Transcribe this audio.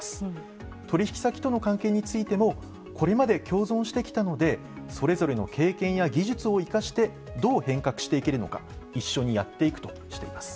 取引先との関係についてもこれまで共存してきたのでそれぞれの経験や技術を生かしてどう変革していけるのか一緒にやっていくとしています。